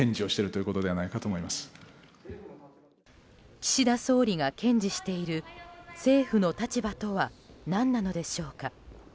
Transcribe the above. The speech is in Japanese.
岸田総理が堅持している政府の立場とは何なのでしょうか。